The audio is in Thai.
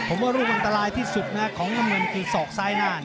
ผมว่ารูปอันตรายที่สุดนะของน้ำเงินคือศอกซ้ายหน้า